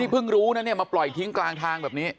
เพิ่งรู้นะเนี่ยมาปล่อยทิ้งกลางทางแบบนี้